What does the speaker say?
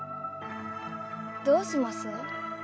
どうします？